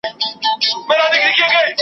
شپه او ورځ په یوه بل پسي لګیا وي .